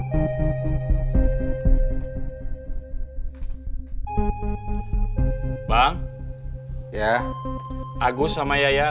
sampai jumpa di video selanjutnya